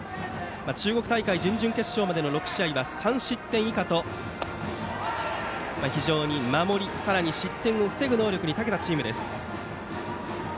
中国大会準々決勝までの６試合は３失点以下と、非常に守りさらに失点を防ぐ能力にたけたチームです。